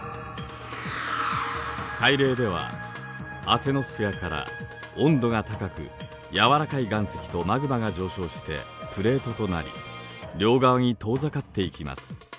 海嶺ではアセノスフェアから温度が高く軟らかい岩石とマグマが上昇してプレートとなり両側に遠ざかっていきます。